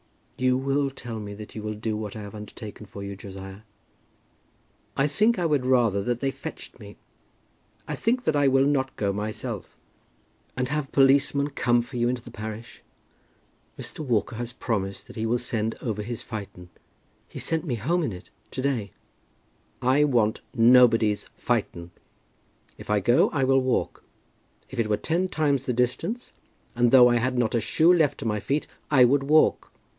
"You will tell me that you will do what I have undertaken for you, Josiah?" "I think I would rather that they fetched me. I think that I will not go myself." "And have policemen come for you into the parish! Mr. Walker has promised that he will send over his phaeton. He sent me home in it to day." "I want nobody's phaeton. If I go I will walk. If it were ten times the distance, and though I had not a shoe left to my feet I would walk.